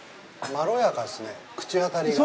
まろやかですね、口当たりが。